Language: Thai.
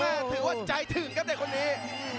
ถือว่าใจถึงครับเด็กคนนี้